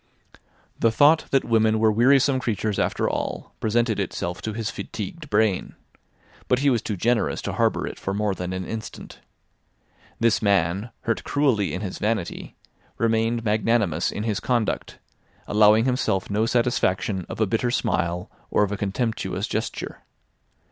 The thought that women were wearisome creatures after all presented itself to his fatigued brain. But he was too generous to harbour it for more than an instant. This man, hurt cruelly in his vanity, remained magnanimous in his conduct, allowing himself no satisfaction of a bitter smile or of a contemptuous gesture.